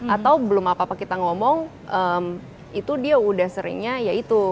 atau belum apa apa kita ngomong itu dia udah seringnya ya itu